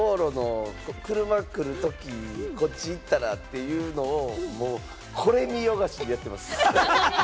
よく道路の車来るとき、こっち行ったら？というのを、もうこれ見よがしにやってます。